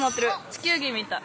地球ぎみたい。